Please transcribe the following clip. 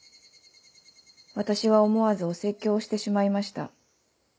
私は思わずお説教をしてしまいました。